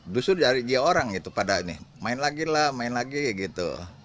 justru dari dia orang main lagi lah main lagi gitu